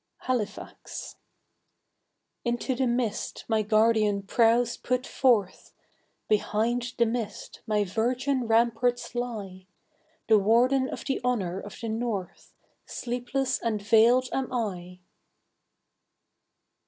Halifax. Into the mist my guardian prows put forth, Behind the mist my virgin ramparts lie, The Warden of the Honour of the North, Sleepless and veiled am I!